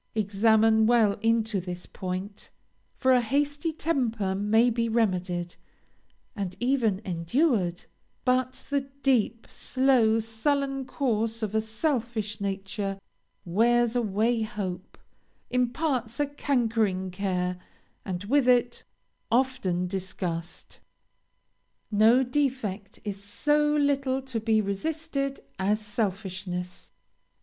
Examine well into this point; for a hasty temper may be remedied, and even endured but the deep, slow, sullen course of a selfish nature wears away hope, imparts a cankering care, and, with it, often disgust. No defect is so little to be resisted as selfishness.